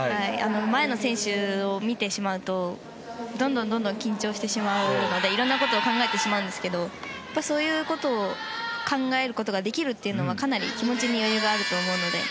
前の選手を見てしまうとどんどん緊張してしまうのでいろんなことを考えてしまうんですけどそういうことを考えることができるというのはかなり気持ちに余裕があると思うので。